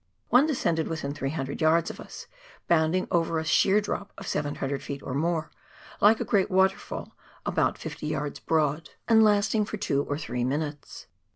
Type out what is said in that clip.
One descended within 300 yards of us, bounding over a sheer drop of 700 ft. or more, like a great waterfall about 50 yards broad, and lasting for two or three minutes.